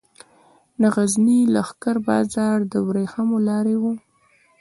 د غزني لښکر بازار د ورېښمو لارې و